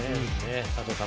佐藤さん